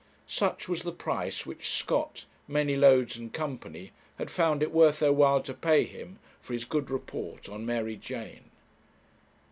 Such was the price which Scott, Manylodes, & Co., had found it worth their while to pay him for his good report on Mary Jane.